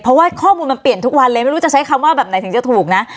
เพราะว่าข้อมูลมันเปลี่ยนทุกวันเลยไม่รู้จะใช้คำว่าแบบไหนถึงจะถูกนะ